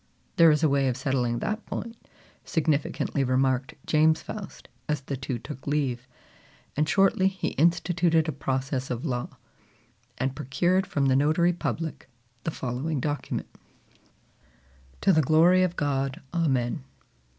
"There is a way of settling that point," significantly remarked James Faust, as the two took leave; and shortly he instituted a process of law, and procured from the notary public the following document: "To the glory of God, Amen.